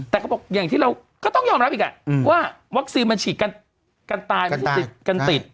แต่เขาบอกอย่างที่เราก็ต้องยอมรับอีกว่าวัคซีนมันฉีดกันตายมันติดกันติด